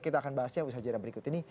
kita akan bahasnya di usaha jalan berikut ini